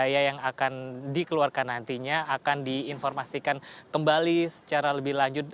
biaya yang akan dikeluarkan nantinya akan diinformasikan kembali secara lebih lanjut